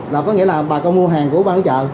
là có nghĩa là bà con mua hàng của ban quản lý chợ